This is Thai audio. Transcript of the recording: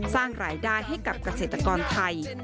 สร้างรายได้ให้กับเกษตรกรไทย